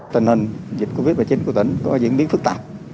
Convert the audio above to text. tình hình dịch covid một mươi chín của tỉnh có diễn biến phức tạp